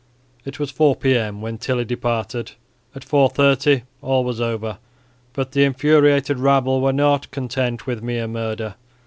It was 4 p.m. when Tilly departed, at 4.30 all was over, but the infuriated rabble were not content with mere murder.